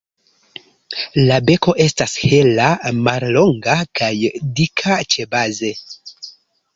La beko estas hela, mallonga kaj dika ĉebaze.